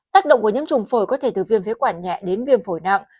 tác động của nhiễm trùng phổi có thể từ viêm phế quản nhẹ đến viêm phổi nặng